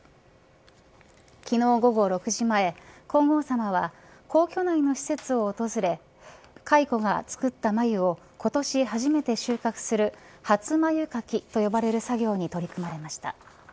昨日、午後６時前、皇后さまは皇居内の施設を訪れ蚕が作った繭を今年初めて収穫する初繭かきと呼ばれる作業に取り組まれました。